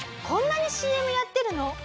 こんなにＣＭやってるの？